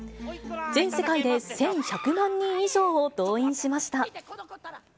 全世界で１１００万人以上を動員しました。